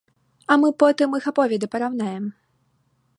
А мы потым іх аповеды параўнаем.